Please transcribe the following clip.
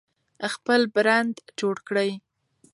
خپل برند جوړ کړئ.